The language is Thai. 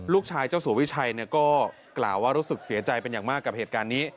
เจ้าสัววิชัยก็กล่าวว่ารู้สึกเสียใจเป็นอย่างมากกับเหตุการณ์นี้